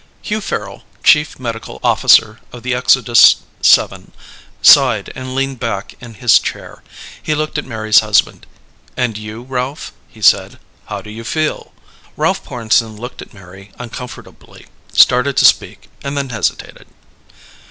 Hugh Farrel, Chief Medical Officer of the Exodus VII, sighed and leaned back in his chair. He looked at Mary's husband. "And you, Ralph," he said. "How do you feel?" Ralph Pornsen looked at Mary uncomfortably, started to speak and then hesitated.